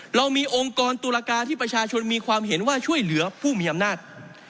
เรามีองค์กรตุลากาที่ประชาชนมีความเห็นว่าช่วยเหลือผู้มีอำนาจ